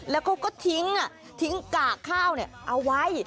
แล้วเขาก็ทิ้งทิ้งกากข้าวเอาไว้